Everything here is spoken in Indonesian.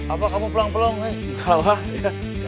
apa kamu pelang pelang nek